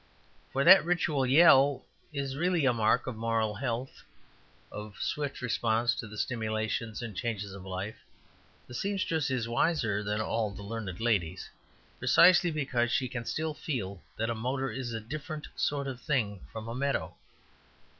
For that ritual yell is really a mark of moral health of swift response to the stimulations and changes of life. The seamstress is wiser than all the learned ladies, precisely because she can still feel that a motor is a different sort of thing from a meadow.